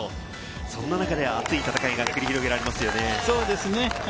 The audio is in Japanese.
そんな中で熱い戦いが繰り広げられますよね。